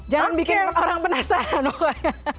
jangan bikin orang penasaran pokoknya